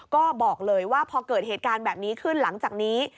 ก็บอกเลยว่าพอเกิดเหตุการณ์แบบนี้ขึ้นหลังจากนี้